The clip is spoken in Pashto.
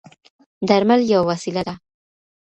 درمل یوه وسیله ده.